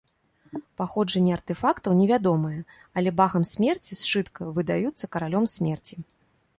Паходжанне артэфактаў невядомае, але багам смерці сшытка выдаюцца каралём смерці.